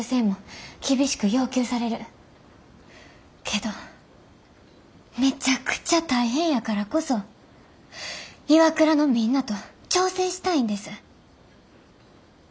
けどめちゃくちゃ大変やからこそＩＷＡＫＵＲＡのみんなと挑戦したいんです。